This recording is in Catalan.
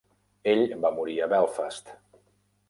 Ell va morir a Belfast.